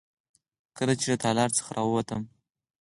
کله چې له تالار څخه راووتم.